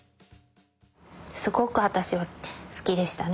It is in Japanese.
すごく私は好きでしたね。